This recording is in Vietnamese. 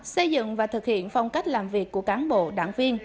xây dựng và thực hiện phong cách làm việc của cán bộ đảng viên